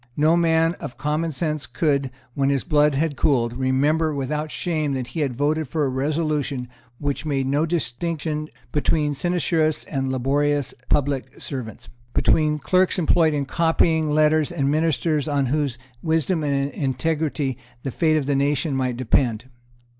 No man of common sense could, when his blood had cooled, remember without shame that he had voted for a resolution which made no distinction between sinecurists and laborious public servants, between clerks employed in copying letters and ministers on whose wisdom and integrity the fate of the nation might depend.